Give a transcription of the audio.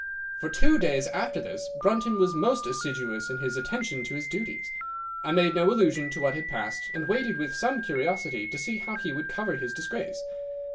"'For two days after this Brunton was most assiduous in his attention to his duties. I made no allusion to what had passed, and waited with some curiosity to see how he would cover his disgrace.